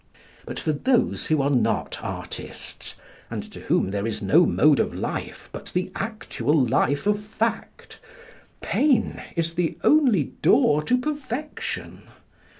But for those who are not artists, and to whom there is no mode of life but the actual life of fact, pain is the only door to perfection.